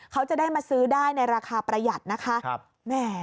เขาจะได้มาซื้อได้ในราคาประหยัดนะคะ